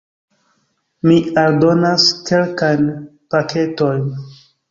Mi aldonas kelkajn paketojn: